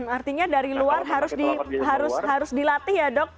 artinya dari luar harus dilatih ya dok